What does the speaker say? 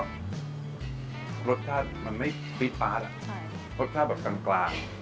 แล้วก็รสชาติมันไม่ปี๊ดปาดอ่ะใช่รสชาติแบบกลางกลาง